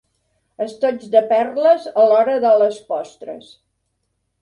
Estoigs de perles a l'hora de les postres.